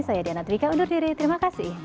saya diana trika undur diri terima kasih